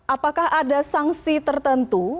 apakah ada sanksi tertentu